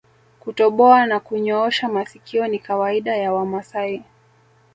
Kutoboa na kunyoosha masikio ni kawaida ya Wamasai